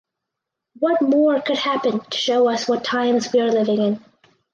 What more could happen to show us what times we are living in?